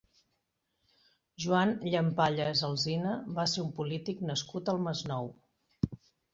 Joan Llampallas Alsina va ser un polític nascut al Masnou.